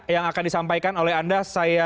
yang akan disampaikan oleh anda